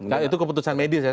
nah itu keputusan medis ya